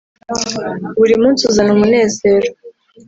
burimunsi uzana umunezero,